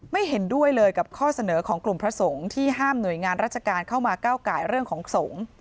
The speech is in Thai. ไม่เห็นด้วยเลยกับข้อเสนอของกลุ่มพระสงฆ์ที่ห้ามหน่วยงานราชการเข้ามาก้าวไก่เรื่องของสงฆ์